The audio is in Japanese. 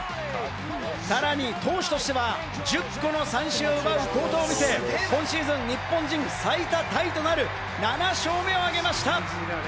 さらに投手としては１０個の三振を奪う好投を見せ、今シーズン日本人最多タイとなる７勝目をあげました。